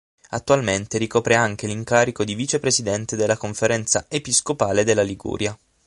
Attualmente ricopre anche l'incarico di vicepresidente della Conferenza episcopale della Liguria.